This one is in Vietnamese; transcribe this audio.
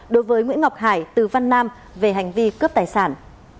đối với nguyễn ngọc hải từ văn nam về hành vi cướp tài sản